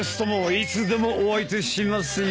いつでもお相手しますよ。